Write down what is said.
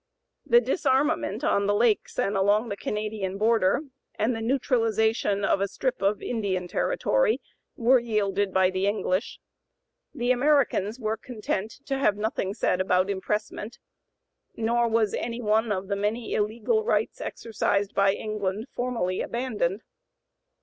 The disarmament on the lakes and along the Canadian border, and the neutralization of a strip of Indian territory, were yielded by the (p. 095) English. The Americans were content to have nothing said about impressment; nor was any one of the many illegal rights exercised by England formally abandoned.